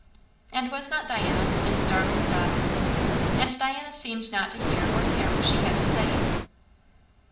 And was not Diana "Mis' Starling's daughter?" And Diana seemed not to hear or care what she had to say!